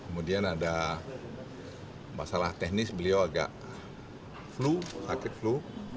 kemudian ada masalah teknis beliau agak flu sakit flu